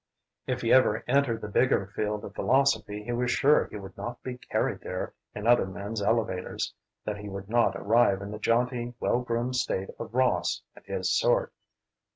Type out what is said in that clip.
If he ever entered the bigger field of philosophy he was sure he would not be carried there in other men's elevators, that he would not arrive in the jaunty, well groomed state of Ross and his sort.